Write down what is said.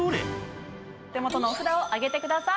お手元の札を上げてください。